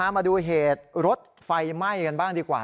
มาดูเหตุรถไฟไหม้กันบ้างดีกว่า